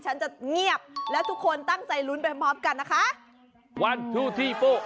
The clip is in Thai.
มันจะเงียบและทุกคนตั้งใจลุ้นไปพร้อมพร้อมกันนะคะ